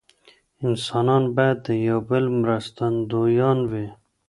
انسانان باید د یو بل مرستندویان وي.